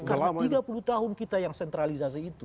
karena tiga puluh tahun kita yang sentralisasi itu